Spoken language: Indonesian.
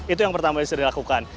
itu yang pertama bisa dilakukan